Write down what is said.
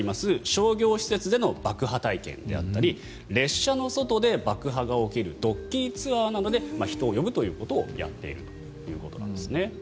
商業施設での爆破体験であったり列車の外で爆破が起きるドッキリツアーなどで人を呼ぶということをやっているということです。